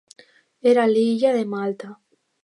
Era l’illa de Malta.